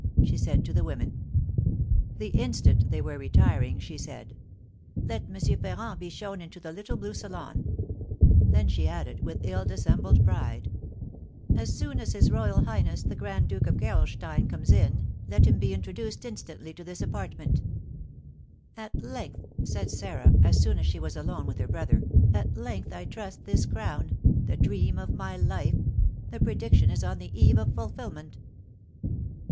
she said to the women. The instant they were retiring, she said, "Let M. Ferrand be shown into the little blue salon." Then she added, with ill dissembled pride, "As soon as his royal highness the Grand Duke of Gerolstein comes, let him be introduced instantly to this apartment." [Illustration: "Was Looking at Herself in a Mirror" Original Etching by Adrian Marcel] "At length," said Sarah, as soon as she was alone with her brother, "at length I trust this crown the dream of my life: the prediction is on the eve of fulfilment!"